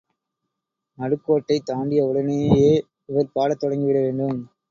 நடுக்கோட்டைத் தாண்டிய உடனேயே, இவர் பாடத் தொடங்கிவிட வேண்டும்.